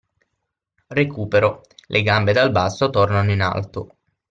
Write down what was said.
Recupero: Le gambe dal basso tornano in alto.